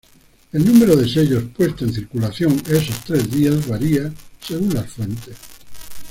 El número de sellos puestos en circulación esos tres días varía según las fuentes.